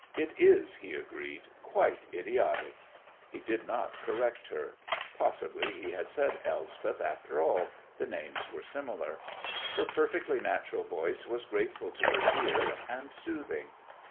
"It is," he agreed. "Quite idiotic." He did not correct her. Possibly he had said Elspeth after all the names were similar. Her perfectly natural voice was grateful to his ear, and soothing.